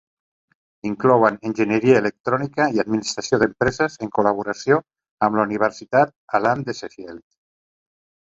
Inclouen enginyeria electrònica i administració d'empreses en col·laboració amb la Universitat Hallam de Sheffield.